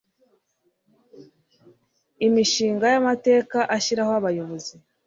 Imishinga y Amateka ashyiraho Abayobozi